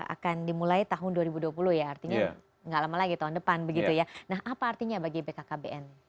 akan dimulai tahun dua ribu dua puluh ya artinya enggak lama lagi tahun depan begitu ya nah apa artinya bagi bkkbn